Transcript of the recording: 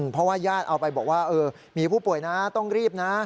เพราะว่าญาติเอาไปบอกว่ามีผู้ป่วยนะต้องรีบนะ